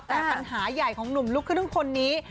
แต่ปัญหาใหญ่ของหนุ่มลูกครึ่งคนนี้